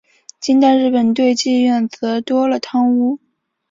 近代日本对妓院则多了汤屋。